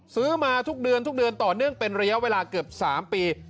ซื้อมาทุกเดือนทุกเดือนต่อเนื่องเป็นระยะเวลาเกือบ๓ปี